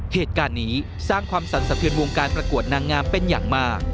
เหตุการณ์นี้สร้างความสั่นสะเทือนวงการประกวดนางงามเป็นอย่างมาก